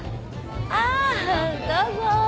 あどうぞ。